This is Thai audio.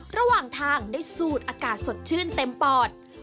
ระหว่างทางได้สูดอากาศสดชื่นเต็มปอด